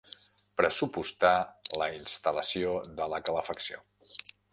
Pressupostar la instal·lació de la calefacció.